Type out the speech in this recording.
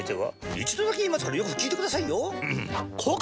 一度だけ言いますからよく聞いてくださいよ。